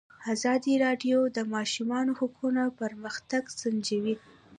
ازادي راډیو د د ماشومانو حقونه پرمختګ سنجولی.